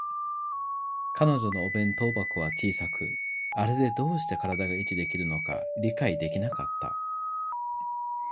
彼女のお弁当箱は小さく、あれでどうして身体が維持できるのか理解できなかった